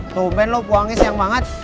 tumen lo buangnya siang banget